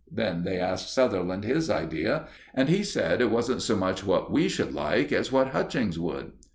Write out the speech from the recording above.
Then they asked Sutherland his idea, and he said it wasn't so much what we should like as what Hutchings would.